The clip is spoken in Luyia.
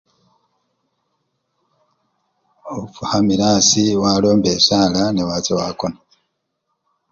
Ofukhamila asii walomba esaala newacha wakona.